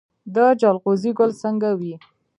د جلغوزي ګل څنګه وي؟